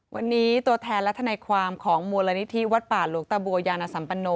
วันนี้ตัวแทนและทนายความของมูลนิธิวัดป่าหลวงตะบัวยานสัมปโน